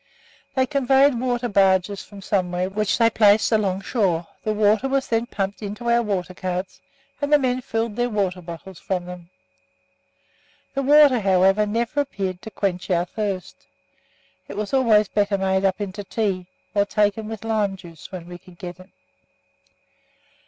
They convoyed water barges from somewhere, which they placed along shore; the water was then pumped into our water carts, and the men filled their water bottles from them. The water, however, never appeared to quench our thirst. It was always better made up into tea, or taken with lime juice when we could get it.